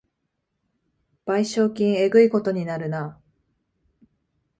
賠償金えぐいことになるな